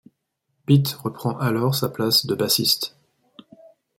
Pete reprend alors sa place de bassiste.